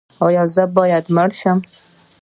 ایا زه باید مړ شم؟